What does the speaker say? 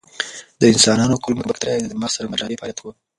د انسانانو کولمو بکتریاوې د دماغ سره مشابه فعالیت ښود.